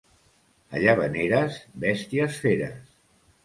A Llavaneres, bèsties feres.